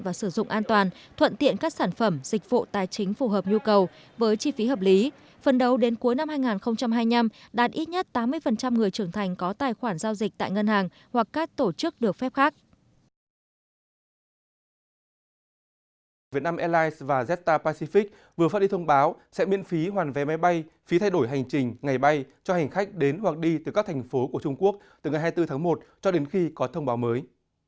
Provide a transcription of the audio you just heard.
việt nam airlines và zeta pacific vừa phát đi thông báo sẽ miễn phí hoàn vé máy bay phí thay đổi hành trình ngày bay cho hành khách đến hoặc đi từ các thành phố của trung quốc từ ngày hai mươi bốn tháng một cho đến khi có thông báo mới